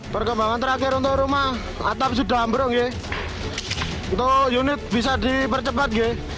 perkembangan terakhir untuk rumah atap sudah ambro unit bisa dipercepat